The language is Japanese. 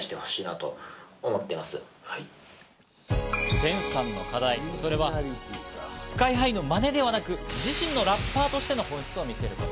テンさんの課題、それはＳＫＹ−ＨＩのマネではなく自身のラッパーとしての本質を見せること。